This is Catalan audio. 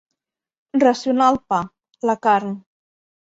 Racionar el pa, la carn.